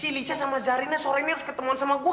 lisha sama zarina sore ini harus ketemuan sama gue